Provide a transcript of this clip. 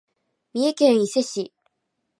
三重県伊勢市